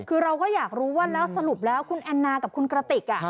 คือเราก็อยากรู้ว่าแล้วสรุปแล้วคุณแอนนากับคุณกระติก